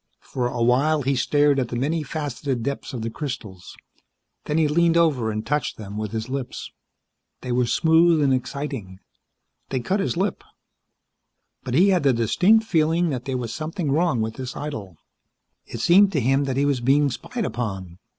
For awhile he stared at the many faceted depths of the crystals; then he leaned over and touched them with his lips. They were smooth and exciting. They cut his lip. But he had the distinct feeling that there was something wrong with this idyll. It seemed to him that he was being spied upon.